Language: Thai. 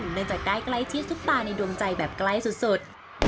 เนื่องจากได้ใกล้ชิดซุปตาในดวงใจแบบใกล้สุด